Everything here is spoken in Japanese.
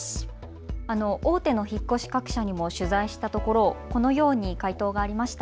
大手の引っ越し各社にも取材したところ、このように回答がありました。